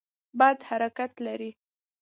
باد حرکت لري.